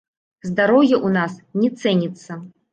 Здароўе у нас не цэніцца!